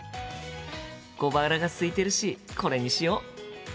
小腹がすいてるしこれにしよう！